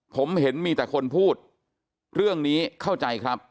ผมเห็นมีแต่คนพูดเรื่องนี้เข้าใจครับ